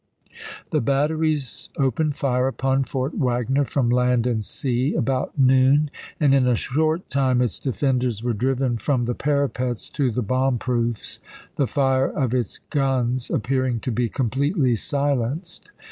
The batteries opened fire upon Fort Wagner from land and sea about noon, and in a short time Juiyi8,i868. its defenders were driven from the parapets to the bomb proofs, the fire of its guns appearing to be completely silenced.